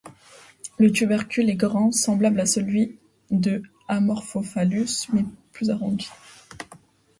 Le tubercule est grand, semblable à celui de Amorphophallus mais plus arrondi.